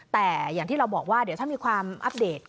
แต่อย่างที่เราบอกว่าเดี๋ยวถ้ามีความอัปเดต